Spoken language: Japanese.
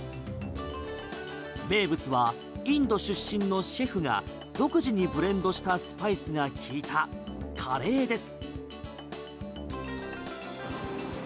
名物はインド出身のシェフが独自にブレンドしたスパイスが利いたカレーです。